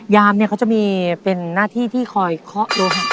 ยามเนี่ยเขาจะมีเป็นหน้าที่ที่คอยเคาะรถ